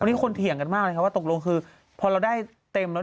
วันนี้คนเถียงกันมากเลยครับว่าตกลงคือพอเราได้เต็มแล้ว